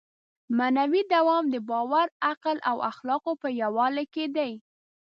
معنوي دوام د باور، عقل او اخلاقو په یووالي کې دی.